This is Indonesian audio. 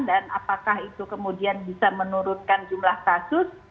dan apakah itu kemudian bisa menurutkan jumlah kasus